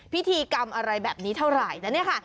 พิธีกรรมอะไรแบบนี้เท่าไหร่นะเนี่ยค่ะ